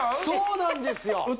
そうなんですよ